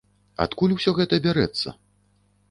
Адкуль усё гэта бярэцца?